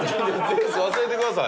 ゼウス忘れてください。